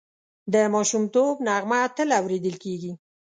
د ماشومتوب نغمه تل اورېدل کېږي